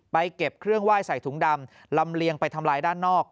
เก็บเครื่องไหว้ใส่ถุงดำลำเลียงไปทำลายด้านนอก